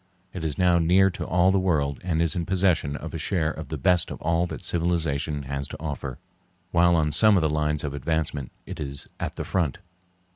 It is now near to all the world and is in possession of a share of the best of all that civilization has to offer, while on some of the lines of advancement it is at the front.